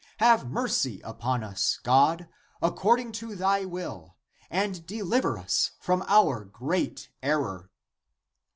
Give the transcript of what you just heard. Have mercy upon us, God, according to thy will, and deliver us from our great error."